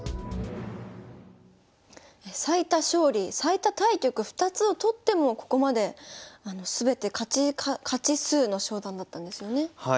最多勝利最多対局２つを取ってもここまで全て勝ち数の昇段だったんですよねはい。